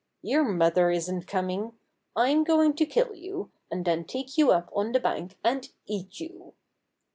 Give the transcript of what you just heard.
"Your mother isn't coming. I'm going to kill you, and then take you up on the bank and eat you."